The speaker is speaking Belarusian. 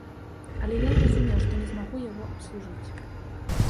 Але я зразумеў, што не змагу яго абслужыць.